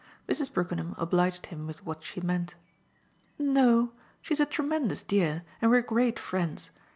Mrs. Brookenham obliged him with what she meant. "No; she's a tremendous dear, and we're great friends.